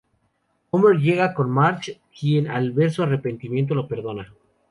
Homer llega con Marge, quien al ver su arrepentimiento, lo perdona.